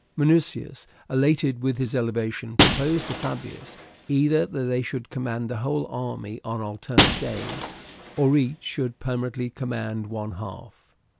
Minucius, elated with his elevation, proposed to Fabius either that they should command the whole army on alternate days, or each should permanently command one half.